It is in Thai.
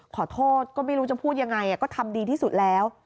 ขอโทษก็ไม่รู้จะพูดยังไงก็ทำดีที่สุดแล้ว